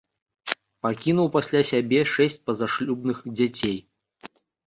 Пакінуў пасля сябе шэсць пазашлюбных дзяцей.